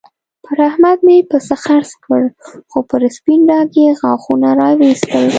پر احمد مې پسه خرڅ کړ؛ خو پر سپين ډاګ يې غاښونه را واېستل.